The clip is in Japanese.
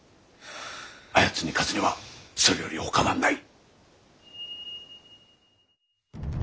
あやつに勝つにはそれよりほかはない。